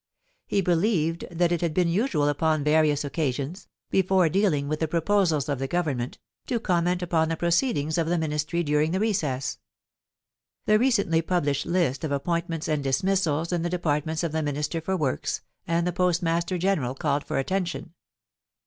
He belieyed that it had been usual upon various occasions, before dealing with the proposals of the Govern ment, to comment upon the proceedings of the Ministry during the recess. ... The recently published list of ap pointments and dismissals in the departments of the Minister for Works and the Postmaster General called for attention.